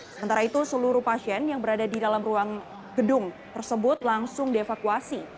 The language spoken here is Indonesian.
sementara itu seluruh pasien yang berada di dalam ruang gedung tersebut langsung dievakuasi